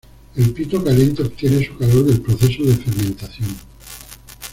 El pito caliente obtiene su calor del proceso de fermentación.